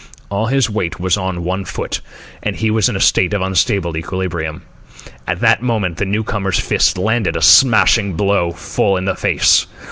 All his weight was on one foot, and he was in a state of unstable equilibrium. At that moment the newcomer's fist landed a smashing blow full in his face.